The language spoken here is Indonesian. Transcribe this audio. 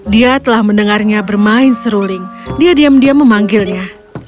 dia telah mendengarnya bermain seruling dia diam diam memanggilnya